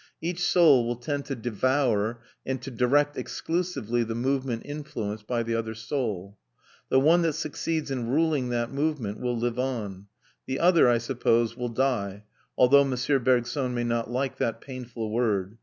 Each soul will tend to devour and to direct exclusively the movement influenced by the other soul. The one that succeeds in ruling that movement will live on; the other, I suppose, will die, although M. Bergson may not like that painful word.